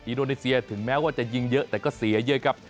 อินโดนีเซียถึงแม้ว่าจะยิงเยอะแต่ก็เสียเยอะครับ